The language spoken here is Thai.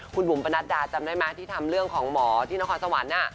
คุณบุ๋มประนัดดาจำได้ไหมที่ทำเรื่องของหมอที่นครสวรรค์